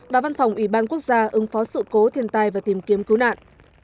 và văn phòng ủy ban quốc gia ứng phó sự cố thiên tai và tìm kiếm cứu nạn